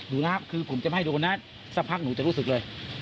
ดูนะคือผมจะให้ดูนะสักพักหนูจะรู้สึกเลย